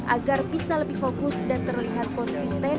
agar bisa lebih fokus dan terlihat konsisten